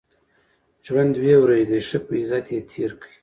ژوند دوې ورځي دئ، ښه په عزت ئې تېر کئ!